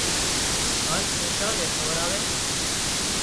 هانَ ڪوترا نين کوَرائي